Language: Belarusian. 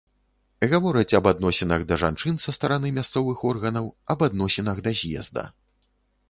Гавораць аб адносінах да жанчын са стараны мясцовых органаў, аб адносінах да з'езда.